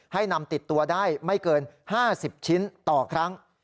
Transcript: ให้นำติดตัวได้ไม่เกิน๕๐ชิ้นต่อครั้ง